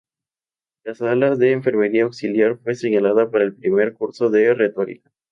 La sala de enfermería auxiliar, fue señalada para el primer curso de Retórica.